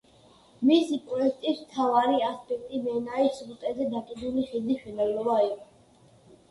მისი პროექტის მთავარი ასპექტი მენაის სრუტეზე დაკიდული ხიდის მშენებლობა იყო.